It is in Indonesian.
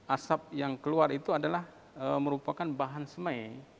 asap yang keluar itu adalah merupakan bahan semai